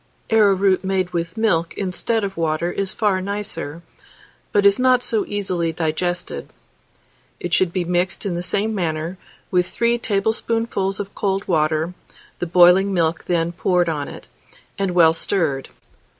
Arrowroot made with milk instead of water is far nicer, but is not so easily digested. It should be mixed in the same manner, with 3 tablespoonfuls of cold water, the boiling milk then poured on it, and well stirred.